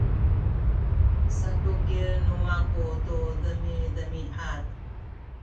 satukien nu maku tu demidemiad